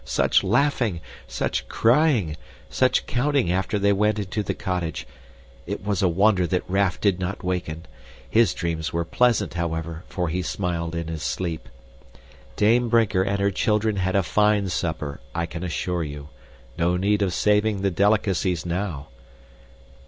Such laughing! Such crying! Such counting after they went into the cottage! It was a wonder that Raff did not waken. His dreams were pleasant, however, for he smiled in his sleep. Dame Brinker and her children had a fine supper, I can assure you. No need of saving the delicacies now.